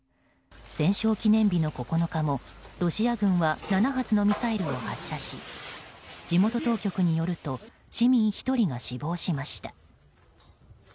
戦勝記念日の９日も、ロシア軍は７発のミサイルを発射し地元当局によると市民１人が死亡しました。